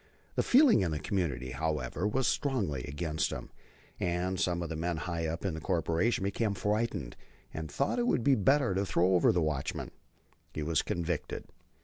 The feeling in the community, however, was strongly against him, and some of the men high up in the corporation became frightened and thought that it would be better to throw over the watchman. He was convicted.